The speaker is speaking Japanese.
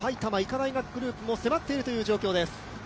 埼玉医科大学グループも迫っている状況です。